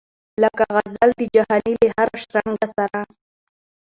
لکه غزل د جهاني له هره شرنګه سره